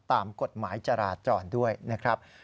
ตามกฎหมายจราจรด้วยนะครับ